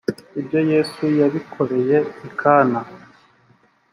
ibyo yesu yabikoreye i kana.